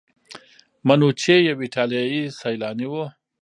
منوچي یو ایټالیایی سیلانی و.